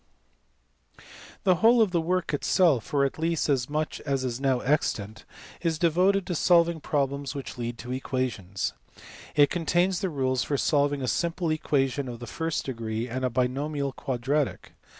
The whole of the work itself, or at least as much as is now , extant, is devoted to solving problems which lead to equa tions. It contains the rules for solving a simple equation of the first degree and a binomial quadratic.